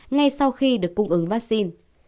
ngay sau khi được cung ứng vaccine